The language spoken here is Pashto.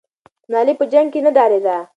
ملالۍ په جنګ کې نه ډارېده.